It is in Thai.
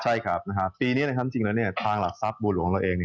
ใช่ครับปีนี้ทางหลักทรัพย์บุตรของเราเอง